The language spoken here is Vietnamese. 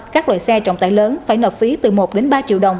các loại xe trọng tải lớn phải nộp phí từ một ba triệu đồng